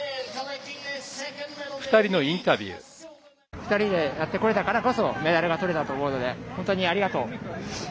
２人でやってこれたからこそメダルが取れたと思うので本当にありがとう。